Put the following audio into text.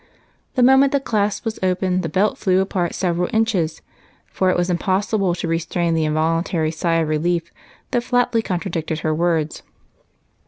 The moment the clasp was open the belt flew apart several inches, for it was impossible to restrain the involuntary sigh of rehef that flatly contradicted her words.